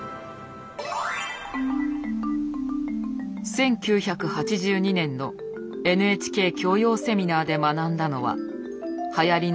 １９８２年の「ＮＨＫ教養セミナー」で学んだのははやりの若者ことばについて。